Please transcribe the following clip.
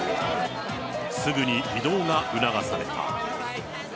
すぐに移動が促された。